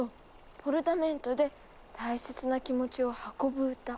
ポルタメントで大切な気持ちを運ぶ歌。